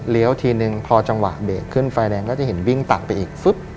ทีนึงพอจังหวะเบรกขึ้นไฟแดงก็จะเห็นวิ่งตัดไปอีกฟึ๊บ